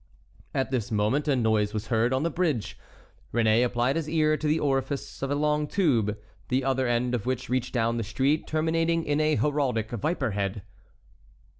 At this moment a noise was heard on the bridge. Réné applied his ear to the orifice of a long tube, the other end of which reached down the street, terminating in a heraldic viper head.